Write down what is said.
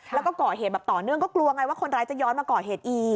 แล้วก็ก่อเหตุแบบต่อเนื่องก็กลัวไงว่าคนร้ายจะย้อนมาก่อเหตุอีก